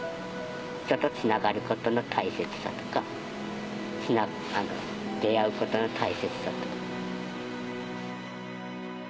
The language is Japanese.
人とつながることの大切さとか出会うことの大切さとか。